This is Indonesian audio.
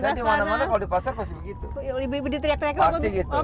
saya di mana mana kalau di pasar pasti begitu